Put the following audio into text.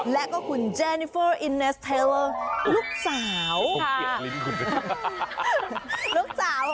และคุณแจนิเฟอร์อินแนนส์เทลล์ลูกสาว